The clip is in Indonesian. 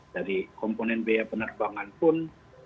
dari komponen biaya penerbangan pun